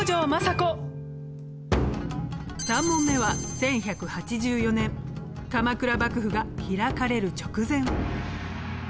３問目は１１８４年鎌倉幕府が開かれる直前。